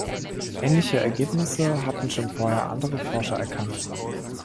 Ähnliche Ergebnisse hatten schon vorher andere Forscher erkannt.